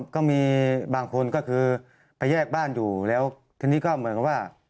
ก็มีบางคนก็คือไปแยกบ้านอยู่แล้วทีนี้ก็เหมือนกับว่า